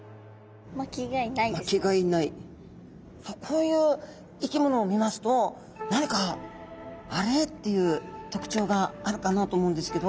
こういう生き物を見ますと何か「あれ？」っていうとくちょうがあるかなと思うんですけど。